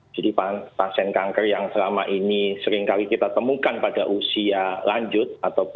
jadi pasien kanker yang selama ini seringkali kita temukan pada usia lanjut